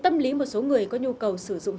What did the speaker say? tâm lý một số người có nhu cầu sử dụng